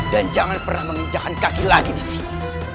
dan jangan pernah menginjakan kaki lagi disini